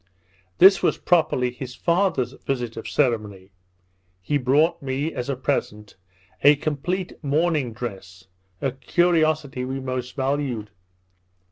This was properly his father's visit of ceremony. He brought me, as a present, a complete mourning dress, a curiosity we most valued.